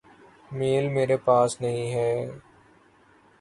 میل میرے پاس نہیں ہے۔۔